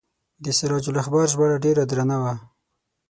د سراج الاخبار ژباړه ډیره درنه وه.